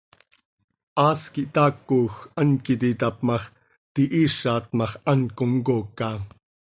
Haas quih taacoj, hant quih iti tap ma x, tihiizat ma x, hant comcooca.